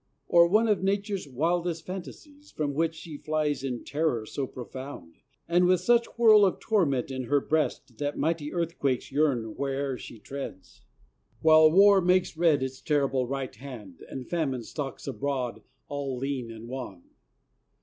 Or one of nature's wildest fantasies, From which she flies in terror so profound, And with such whirl of torment in her breast, That mighty earthquakes yearn where'er she treads; While War makes red its terrible right hand, And Famine stalks abroad all lean and wan?